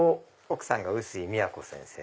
奥さんが臼井都先生。